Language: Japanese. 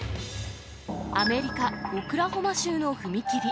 アメリカ・オクラホマ州の踏切。